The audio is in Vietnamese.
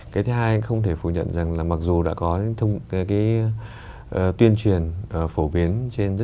cái thứ hai anh không thể phủ nhận rằng là mặc dù đã có cái tuyên truyền phổ biến trên rất nhiều doanh nghiệp